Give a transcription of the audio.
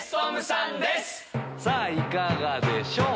さぁいかがでしょう？